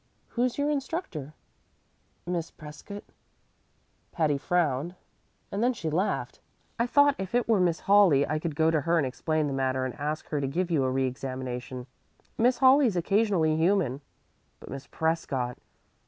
"Who's your instructor?" "Miss Prescott." Patty frowned, and then she laughed. "I thought if it were Miss Hawley I could go to her and explain the matter and ask her to give you a reëxamination. Miss Hawley's occasionally human. But Miss Prescott!